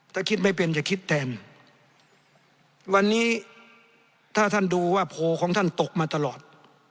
ถ้าคิดไม่เป็นจะคิดแทนวันนี้ถ้าท่านดูว่าโพลของท่านตกมาตลอด